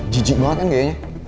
jijik banget kan gayanya